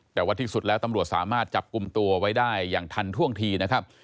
แต่ว่าที่สุดแล้วตำรวจสามารถจับกลุ่มตัวไว้ได้อย่างทันท่วงทีนะครับ